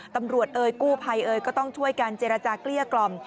เอ่ยกู้ภัยเอ่ยก็ต้องช่วยการเจรจาเกลี้ยกล่อม